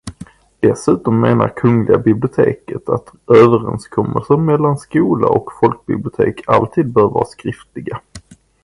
Dessutom menar Kungliga biblioteket att överenskommelser mellan skola och folkbibliotek alltid bör vara skriftliga.